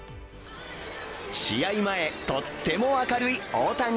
試合前、とっても明るい大谷。